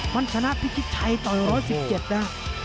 มันชนะพิชิตชัยต่อย๑๑๗นะ